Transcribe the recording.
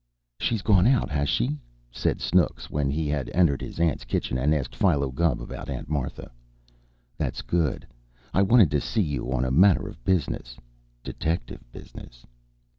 "She's gone out, has she?" said Snooks, when he had entered his aunt's kitchen and asked Philo Gubb about Aunt Martha. "That's good. I wanted to see you on a matter of business detective business."